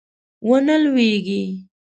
ونه لویږي